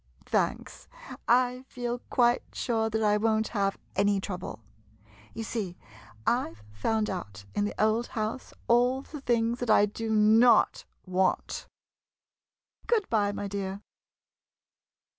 Thanks— I feel quite sure that I won't have any trouble. You see, I 've found out in the old house all the things that I do not want! Good by, my dear.